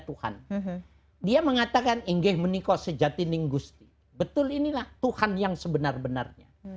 tuhan dia mengatakan inggeh menikoh sejatineng gusti betul inilah tuhan yang sebenar benarnya